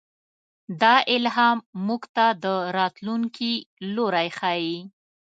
دا الهام موږ ته د راتلونکي لوری ښيي.